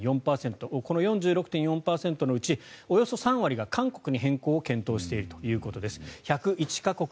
この４６．４％のうちおよそ３割が韓国に変更を検討しているということです。